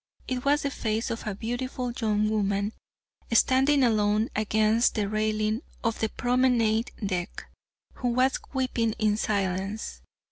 It was the face of a beautiful young woman, standing alone against the railing of the promenade deck, who was weeping in silence.